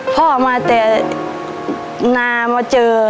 พ่อมาแต่นามาเจอ